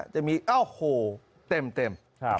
จะมีโอ้โหเต็ม